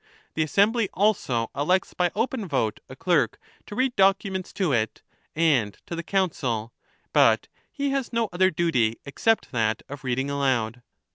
The Assembly also elects by open vote a clerk to read documents to it and to the Council ; but he has no other duty except that of reading aloud.